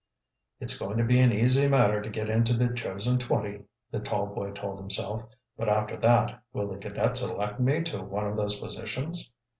"It's going to be an easy matter to get into the chosen twenty," the tall boy told himself. "But after that, will the cadets elect me to one of those positions?"